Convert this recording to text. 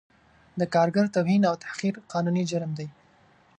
د کارګر توهین او تحقیر قانوني جرم دی